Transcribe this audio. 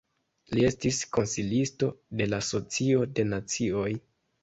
Li estis konsilisto de la Socio de Nacioj.